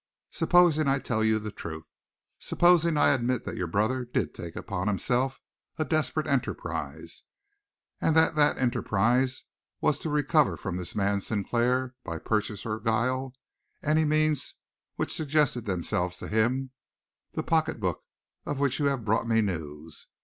Supposing I tell you the truth. Supposing I admit that your brother did take upon himself a desperate enterprise, and that that enterprise was to recover from this man Sinclair, by purchase or guile, or any means which suggested themselves to him, the pocket book of which you have brought me news.